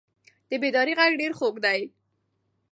د بیدارۍ غږ ډېر خوږ دی.